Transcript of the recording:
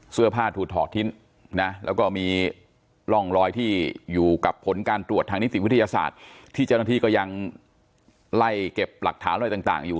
เสื้อผ้าถูกถอดทิ้งนะแล้วก็มีร่องรอยที่อยู่กับผลการตรวจทางนิติวิทยาศาสตร์ที่เจ้าหน้าที่ก็ยังไล่เก็บหลักฐานอะไรต่างอยู่